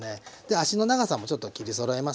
足の長さもちょっと切りそろえます。